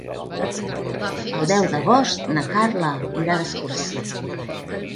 El deu d'agost na Carla irà d'excursió.